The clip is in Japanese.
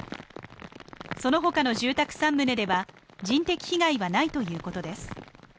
その他の住宅３棟では人的被害はないということです。